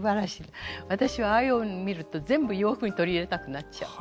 私はああいう帯見ると全部洋服に取り入れたくなっちゃう。